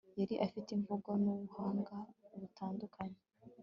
Yari afite imvugo nubuhanga butandukanye